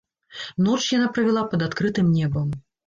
Ноч яна правяла пад адкрытым небам.